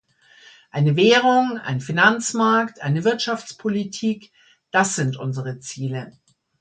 Eine Währung, ein Finanzmarkt, eine Wirtschaftspolitik das sind unsere Ziele.